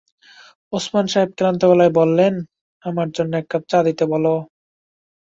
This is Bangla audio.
ওসমান সাহেব ক্লান্ত গলায় বললেন, আমার জন্যে এক কাপ চা দিতে বল।